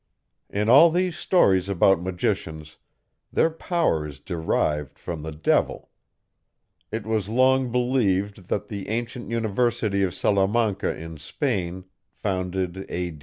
In all these stories about magicians, their power is derived from the devil. It was long believed that the ancient university of Salamanca in Spain, founded A.